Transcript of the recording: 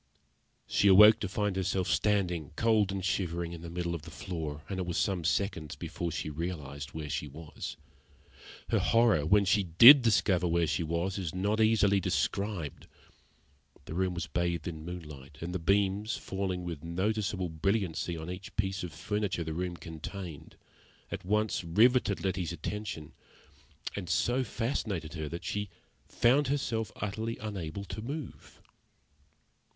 She awoke to find herself standing, cold and shivering, in the middle of the floor, and it was some seconds before she realised where she was. Her horror, when she did discover where she was, is not easily described. The room was bathed in moonlight, and the beams, falling with noticeable brilliancy on each piece of furniture the room contained, at once riveted Letty's attention, and so fascinated her that she found herself utterly unable to move.